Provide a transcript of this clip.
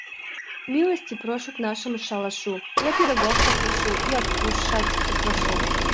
Милости прошу к нашему шалашу: я пирогов покрошу и откушать попрошу.